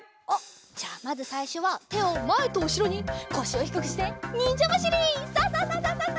じゃあまずさいしょはてをまえとうしろにこしをひくくしてにんじゃばしり！ササササササ。